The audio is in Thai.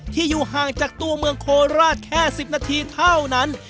อยู่ห่างจากตัวเมืองโคราชแค่๑๐นาทีเท่านั้น